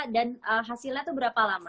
dan hasilnya tuh berapa lama